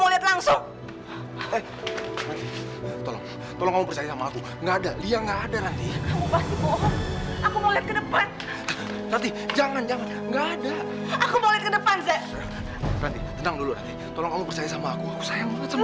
rati tenang dulu tolong kamu percaya sama aku aku sayang banget sama kamu